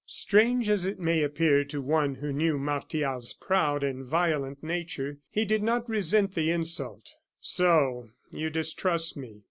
Strange as it may appear to one who knew Martial's proud and violent nature, he did not resent the insult. "So you distrust me!"